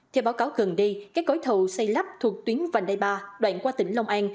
theo báo cáo gần đây các gói thầu xây lắp thuộc tuyến vành đai ba đoạn qua tỉnh long an